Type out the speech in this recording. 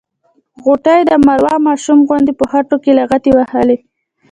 غوټۍ د مرور ماشوم غوندې په خټو کې لغتې وهلې.